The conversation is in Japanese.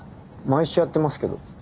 毎週やってますけど。